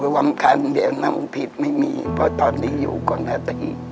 ความคันเดี๋ยวน้องผิดไม่มีเพราะตอนนี้อยู่กว่าหน้าตี